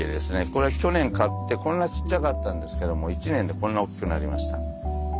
これは去年買ってこんなちっちゃかったんですけども１年でこんな大きくなりました。